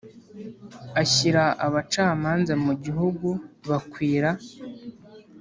Ashyira abacamanza mu gihugu bakwira